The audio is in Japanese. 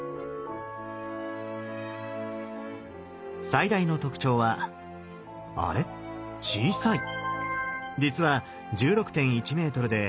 最大の特徴はあれ小さい？